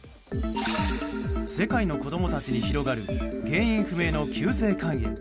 世界の子供たちに広がる原因不明の急性肝炎。